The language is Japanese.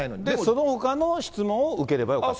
そのほかの質問を受ければよかった？